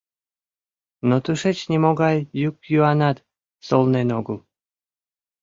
Но тушеч нимогай йӱк-йӱанат солнен огыл.